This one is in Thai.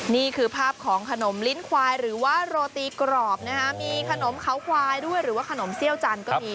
นี่คือภาพของขนมลิ้นควายหรือว่าโรตีกรอบนะฮะมีขนมเขาควายด้วยหรือว่าขนมเซี่ยวจันทร์ก็มี